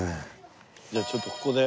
じゃあちょっとここで。